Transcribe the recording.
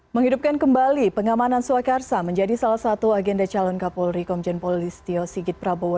menghidupkan kembali pengamanan swakarsa menjadi salah satu agenda calon kapolri komjen polis tio sigit prabowo